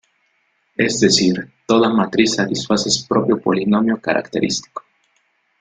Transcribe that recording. Es decir, toda matriz satisface su propio polinomio característico.